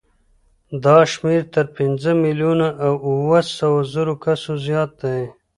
دا شمېر تر پنځه میلیونه او اوه سوه زرو کسو زیات دی.